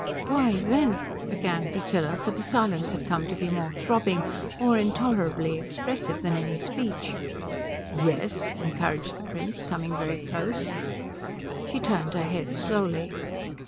"Why, then " began Priscilla, for the silence had come to be more throbbing, more intolerably expressive than any speech. "Yes?" encouraged the Prince, coming very close. She turned her head slowly.